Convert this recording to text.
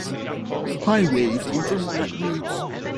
Highways, and Vermont routes.